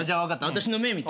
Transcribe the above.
私の目ぇ見て。